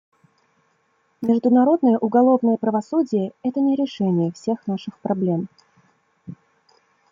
Международное уголовное правосудие — это не решение всех наших проблем.